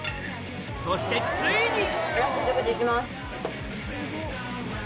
そしてついに！